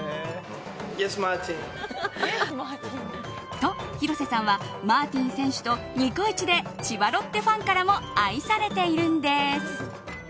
イエスマーティン！と、広瀬さんはマーティン選手とニコイチで千葉ロッテファンからも愛されているんです。